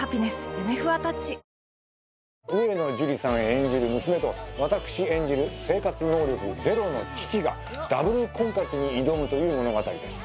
演じる娘と私演じる生活能力ゼロの父がダブル婚活に挑むという物語です